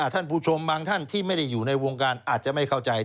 ท่านผู้ชมบางท่านที่ไม่ได้อยู่ในวงการอาจจะไม่เข้าใจ